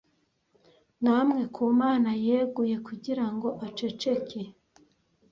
namwe ku mana yeguye kugirango aceceke